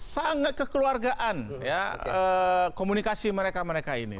sangat kekeluargaan ya komunikasi mereka mereka ini